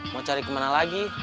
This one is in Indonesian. mau cari kemana lagi